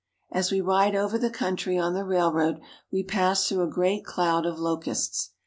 j As we ride over the country on the railroad we pass ] I through a great cloud of locusts.